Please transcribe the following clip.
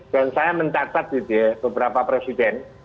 dan saya mencatat gitu ya beberapa presiden